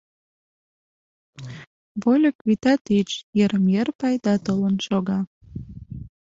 Вольык — вӱта тич, йырым-йыр пайда толын шога.